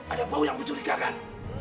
ada bau yang mencurigakan